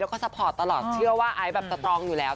แล้วก็ซัพพอร์ตตลอดเชื่อว่าไอซ์แบบสตรองอยู่แล้ว